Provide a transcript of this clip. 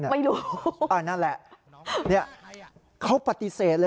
ไม่รู้นั่นแหละเขาปฏิเสธเลย